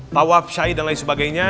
tawaf syai dan lain sebagainya